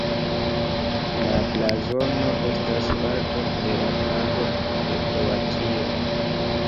La blazono estas parto de la flago de Kroatio.